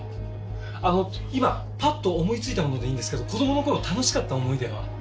あの今パッと思いついたものでいいんですけど子供の頃楽しかった思い出は？